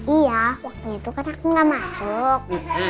iya waktu itu karena aku gak masuk